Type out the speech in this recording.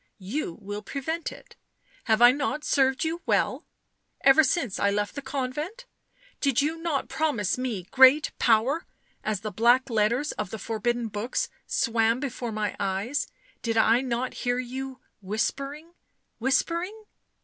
You will prevent it. Have I not served you well ? Ever since I left the convent ? Did you not promise me great power — as the black letters of the forbidden books swam before my eyes ; did I not hear you whispering, whispering?"